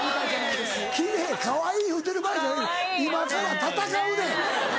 「奇麗かわいい」言うてる場合今から戦うねん！